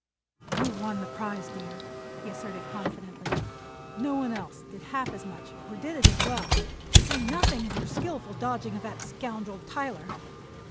"You've won the prize, dear," he asserted confidently. "No one else did half as much or did it as well, to say nothing of your skillful dodging of that scoundrel Tyler.